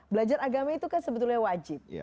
belajar agama itu kan sebetulnya wajib